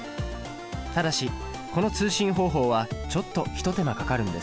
ただしこの通信方法はちょっと一手間かかるんです。